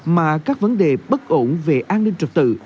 mà các vấn đề bất ổn về an ninh trật tự